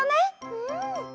うん。